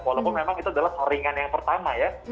walaupun memang itu adalah keringan yang pertama ya